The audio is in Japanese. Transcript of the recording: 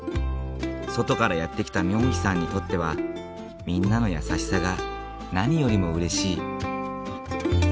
外からやって来たミョンヒさんにとってはみんなの優しさが何よりもうれしい。